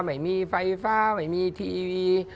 ไม่มีไฟฟ้าไม่มีทีวี